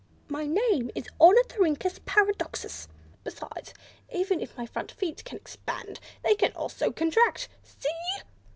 My name is Ornithorhynchus Paradoxus. Besides, even if my front feet can expand, they can also contract; see!